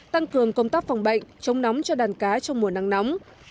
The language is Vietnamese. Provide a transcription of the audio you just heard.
tăng cường công tác phòng bệnh chống nóng cho đàn cá trong mùa nắng nóng